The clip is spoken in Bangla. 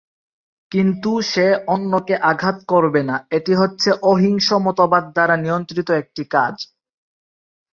কিন্তু সে অন্যকে আঘাত করবে না- এটি হচ্ছে অহিংস মতবাদ দ্বারা নিয়ন্ত্রিত একটি কাজ।